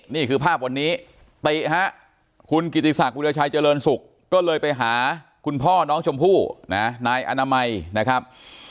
นี่คือภาพวันนี้ติฮะคุณกิติศักดิราชัยเจริญสุขก็เลยไปหาคุณพ่อน้องชมพู่นะนายอนามัยนะครับ